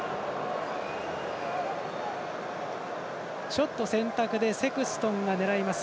ショット選択でセクストンが狙います。